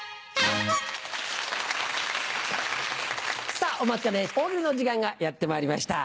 さぁお待ちかね「大喜利」の時間がやってまいりました。